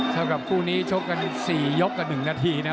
เท่ากับคู่นี้ชกกันอีก๔ยกกับ๑นาทีนะ